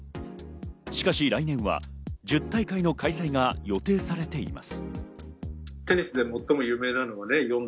しかし来年は１０大会の開催が予定されています。